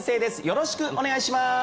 よろしくお願いします